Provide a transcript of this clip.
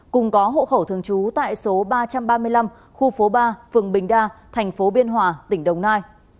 cùng có hộ khẩu thường trú tại số ba trăm ba mươi năm khu phố ba phường bình đa thành phố biên hòa tỉnh đồng nai